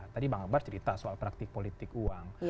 tadi bang akbar cerita soal praktik politik uang